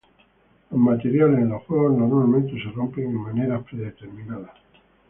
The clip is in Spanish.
Los materiales en los juegos normalmente se rompen en maneras predeterminadas.